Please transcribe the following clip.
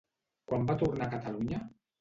Quan va tornar a Catalunya?